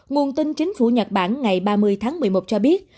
nguồn tin chính phủ nhật bản ngày ba mươi tháng một mươi một cho biết